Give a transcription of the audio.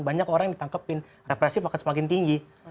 banyak orang yang ditangkepin represif akan semakin tinggi